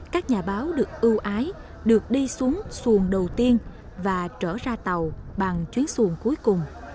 các nhà báo được ưu ái được đi xuống xuồng đầu tiên và trở ra tàu bằng chuyến xuồng cuối cùng